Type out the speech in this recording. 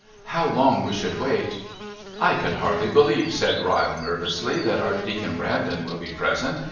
How long we should wait " "I can hardly believe," said Byle nervously, "that Archdeacon Brandon will be present.